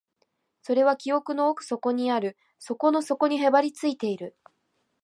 それは記憶の奥底にある、底の底にへばりついている